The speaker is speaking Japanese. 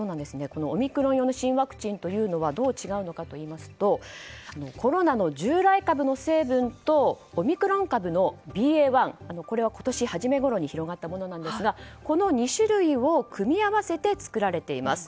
オミクロン用の新ワクチンはどう違うのかといいますとコロナの従来株の成分とオミクロン株のＢＡ．１これは今年初めごろに広がったものですがこの２種類を組み合わせて作られています。